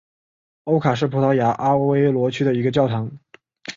欧卡是葡萄牙阿威罗区的一个堂区。